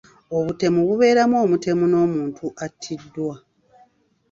Obutemu bubeeramu omutemu n'omuntu attiddwa.